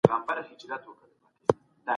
چي ورورولي وساتو.